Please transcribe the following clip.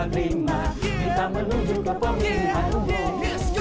kita menuju ke pemilihan umum